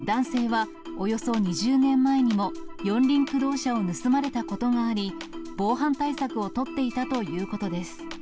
男性はおよそ２０年前にも、四輪駆動車を盗まれたことがあり、防犯対策を取っていたということです。